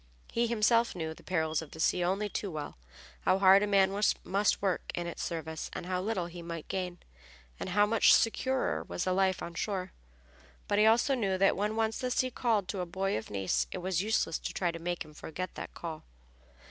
He himself knew the perils of the sea only too well, how hard a man must work in its service, and how little he might gain, and how much securer was the life on shore. But he also knew that when once the sea called to a boy of Nice it was useless to try to make him forget the call.